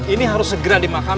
ini harus segera dimakamkan